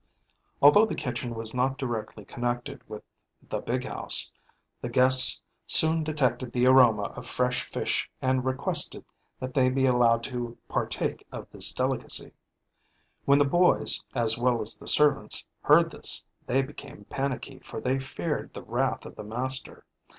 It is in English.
Although the kitchen was not directly connected with the "big house", the guests soon detected the aroma of fresh fish and requested that they be allowed to partake of this delicacy. When the boys, as well as the servants, heard this, they became panicky for they feared the wrath of the master.